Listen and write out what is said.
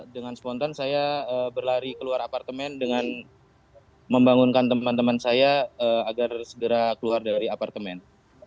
dengan spontan saya berlari keluar apartemen dengan membangunkan teman teman saya agar segera keluar dari apartemen